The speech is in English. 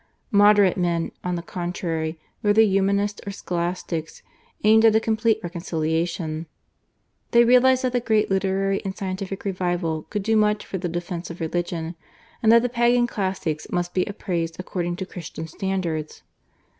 Moderate men, on the contrary, whether Humanists or Scholastics, aimed at a complete reconciliation. They realised that the great literary and scientific revival could do much for the defence of religion, and that the Pagan classics must be appraised according to Christian standards.